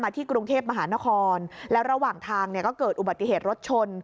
ที่กรุงเทพมหานครและระหว่างทางเนี่ยก็เกิดอุบัติเหตุรถชน